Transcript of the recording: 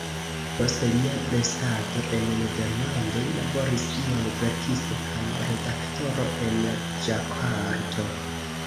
Post lia restado en Nederlando li laboris kiel verkisto kaj redaktoro en Ĝakarto.